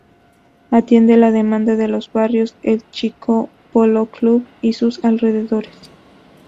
Atiende la demanda de los barrios El Chicó, Polo Club y sus alrededores.